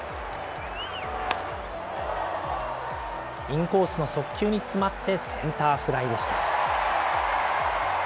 インコースの速球につまってセンターフライでした。